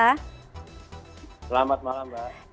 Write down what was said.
selamat malam mbak